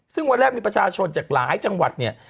ซึ่งวันแรกมีประชาชนจากหลายจังหวัดเนี่ย